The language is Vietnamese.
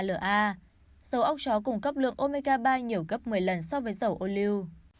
dầu ốc chó cung cấp lượng omega ba nhiều cấp một mươi lần so với dầu oleo